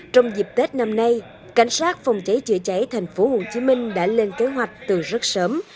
trong dịp tết năm nay cảnh sát phòng cháy chữa cháy tp hcm đã lên kế hoạch từ rất sớm